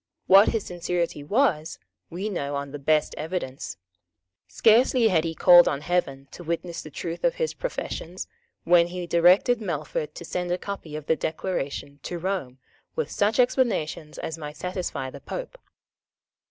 What his sincerity was we know on the best evidence. Scarcely had he called on heaven to witness the truth of his professions, when he directed Melfort to send a copy of the Declaration to Rome with such explanations as might satisfy the Pope.